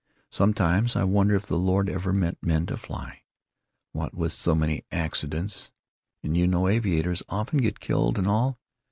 Sometimes I wonder if the Lord ever meant men to fly—what with so many accidents, and you know aviators often do get killed and all.